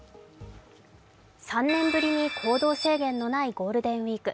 ３年ぶりに行動制限のないゴールデンウイーク。